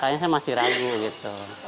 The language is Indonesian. kayaknya saya masih ragu gitu